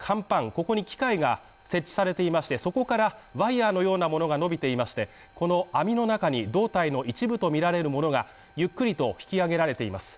ここに機械が設置されていましてそこからワイヤーのようなものが伸びていまして、この網の中に、胴体の一部とみられるものがゆっくりと引き揚げられています。